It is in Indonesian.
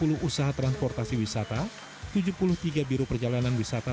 empat puluh usaha transportasi wisata tujuh puluh tiga biru perjalanan wisata